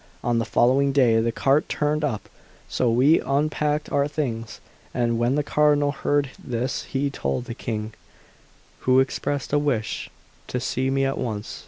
On the following day the cart turned up; so we unpacked our things, and when the Cardinal heard this he told the King, who expressed a wish to see me at once.